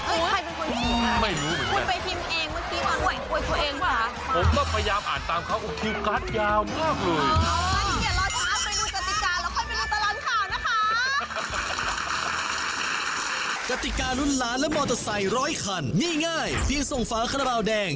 ใครเป็นคุณผู้ชมค่ะไม่รู้เหมือนกัน